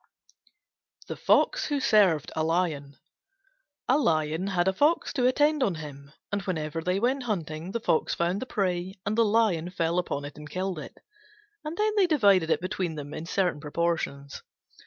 THE FOX WHO SERVED A LION A Lion had a Fox to attend on him, and whenever they went hunting the Fox found the prey and the Lion fell upon it and killed it, and then they divided it between them in certain proportions.